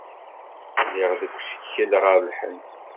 Lliɣ deg usikel ɣer Lhend.